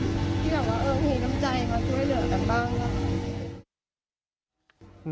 มาช่วยเหลือกันบ้าง